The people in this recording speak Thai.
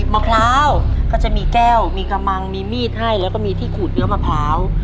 มะพร้าวก็จะมีแก้วมีกระมังมีมีดให้แล้วก็มีที่ขูดเนื้อมะพร้าว